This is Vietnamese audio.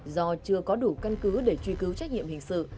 do chưa có đủ căn cứ để truy cứu trách nhiệm hình sự